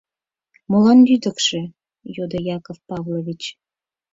— Молан лӱдыкшӧ? — йодо Яков Павлович.